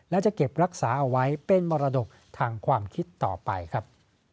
และจะเก็บรักษาเอาไว้เป็นมรดกทางความคิดต่อไปครับ